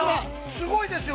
◆すごいですよ。